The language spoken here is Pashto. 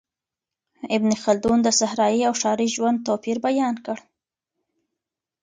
ابن خلدون د صحرایي او ښاري ژوند توپیر بیان کړ.